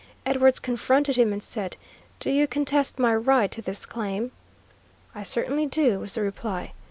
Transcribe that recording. Edwards confronted him and said, "Do you contest my right to this claim?" "I certainly do," was the reply.